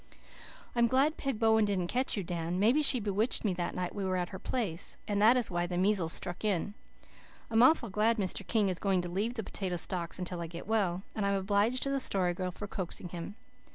"I'm glad Peg Bowen didn't catch you, Dan. Maybe she bewitched me that night we were at her place, and that is why the measles struck in. I'm awful glad Mr. King is going to leave the potato stalks until I get well, and I'm obliged to the Story Girl for coaxing him.